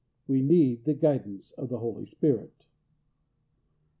We need the guidance of the Holy Spirit.